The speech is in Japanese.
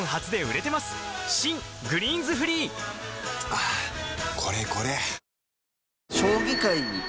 はぁこれこれ！